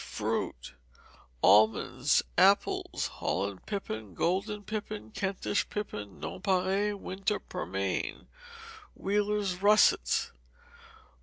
Fruit. Almonds. Apples: Holland pippin, golden pippin, Kentish pippin, nonpareil, winter pearmain, Wheeler's russets.